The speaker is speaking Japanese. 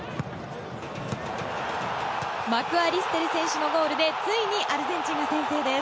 マクアリステル選手のゴールでついにアルゼンチンが先制です。